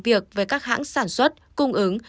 bộ y tế đã làm việc với các hãng sản xuất cung ứng